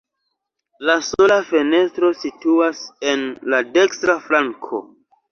La sola fenestro situas en la dekstra flanko.